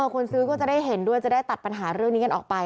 คนซื้อก็จะได้เห็นด้วยจะได้ตัดปัญหาเรื่องนี้กันออกไป